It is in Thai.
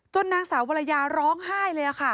นางสาววรรยาร้องไห้เลยค่ะ